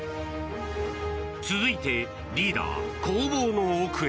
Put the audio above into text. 続いてリーダー、工房の奥へ。